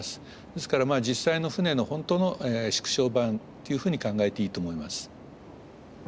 ですから実際の船の本当の縮小版というふうに考えていいと思います。